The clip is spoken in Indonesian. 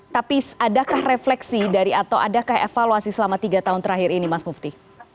tapi adakah refleksi dari atau adakah evaluasi selama tiga tahun terakhir ini mas mufti